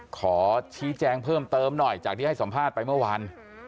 ขอชี้แจงเพิ่มเติมหน่อยจากที่ให้สัมภาษณ์ไปเมื่อวาน